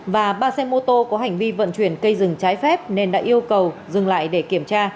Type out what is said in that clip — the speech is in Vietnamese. và ba xe mô tô có hành vi vận chuyển cây rừng trái phép nên đã yêu cầu dừng lại để kiểm tra